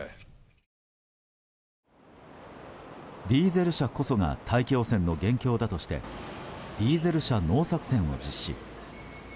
ディーゼル車こそが大気汚染の元凶だとしてディーゼル車ＮＯ作戦を実施。